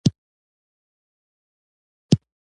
اصطلاح په ځانګړې مانا کې کارول کیږي